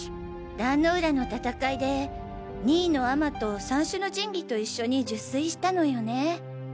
壇ノ浦の戦いで二位尼と三種の神器と一緒に入水したのよね。